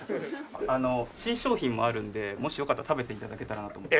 あの新商品もあるのでもしよかったら食べて頂けたらなと思って。